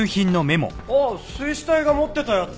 ああ水死体が持ってたやつ。